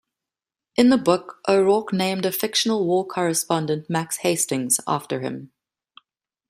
In the book O'Rourke named a fictional war correspondent Max Hastings after him.